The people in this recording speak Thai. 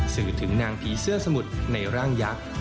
สื่อถึงนางผีเสื้อสมุทรในร่างยักษ์